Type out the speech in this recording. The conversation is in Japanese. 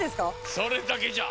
それだけじゃ。